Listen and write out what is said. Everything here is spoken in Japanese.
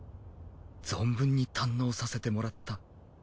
存分に堪能させてもらった。